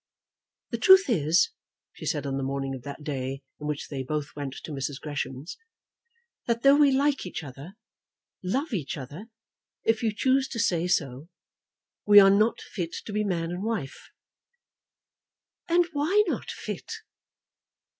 "The truth is," she said on the morning of that day on which they both went to Mrs. Gresham's, "that though we like each other, love each other, if you choose to say so, we are not fit to be man and wife." "And why not fit?"